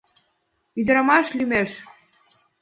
Ӱдырамаш лӱмеш!